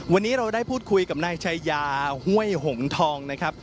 วันนี้เราได้พูดคุยกับนายชายาห้วยหงทองนะครับ